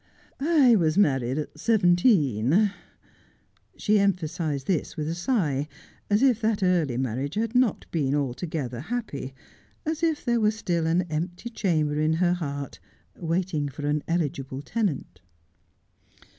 ' I was married at seventeen.' She emphasized this with a sigh, as if that early marriage had not been altogether happy, as if there were still an empty chamber in her heart waiting for an eligible tenant.